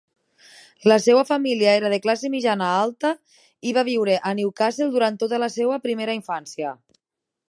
La seva família era de classe mitjana-alta i va viure a Newcastle durant tota la seva primera infància.